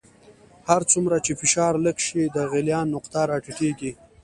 هر څومره چې فشار لږ شي د غلیان نقطه را ټیټیږي.